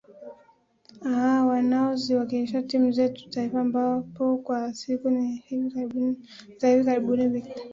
aa wanao ziwakilisha timu zetu za taifa ambapo kwa siku za hivi karibuni victor